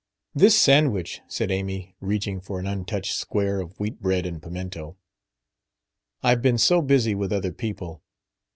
"This sandwich," said Amy, reaching for an untouched square of wheat bread and pimento. "I've been so busy with other people...."